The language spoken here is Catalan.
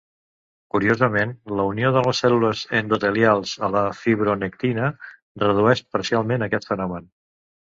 Curiosament, la unió de les cèl·lules endotelials a la fibronectina redueix parcialment aquest fenomen.